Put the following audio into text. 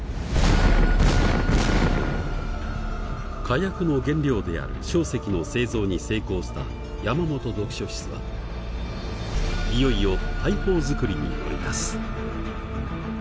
火薬の原料である硝石の製造に成功した山本読書室はいよいよ大砲づくりに乗り出す。